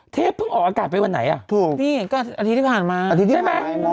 เทพฯเพิ่งออกอากาศไปวันไหนอ่ะพี่ก็วันอาทิตย์ที่ผ่านมาใช่ไหม